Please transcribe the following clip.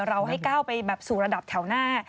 เราให้ก้าวไปแบบสู่ระดับแถวหน้า